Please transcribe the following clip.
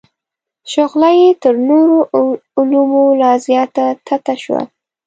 شغله یې تر نورو علومو لا زیاته تته شوه.